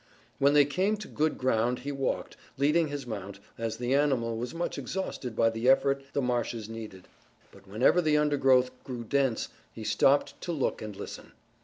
When they came to good ground he walked, leading his mount, as the animal was much exhausted by the effort the marshes needed. But whenever the undergrowth grew dense he stopped to look and listen.